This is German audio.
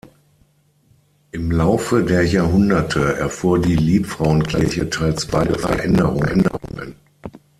Im Laufe der Jahrhunderte erfuhr die Liebfrauenkirche teils weitreichende Veränderungen.